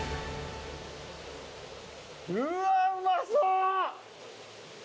うわうまそう！